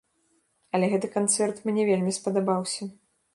Але гэты канцэрт мне вельмі спадабаўся.